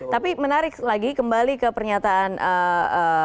tapi menarik lagi kembali ke pernyataan mas edi tuhan